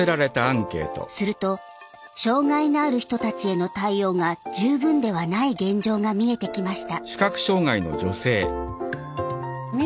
すると障害のある人たちへの対応が十分ではない現状が見えてきました。